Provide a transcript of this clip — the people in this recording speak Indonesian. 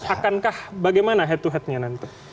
akankah bagaimana head to headnya nanti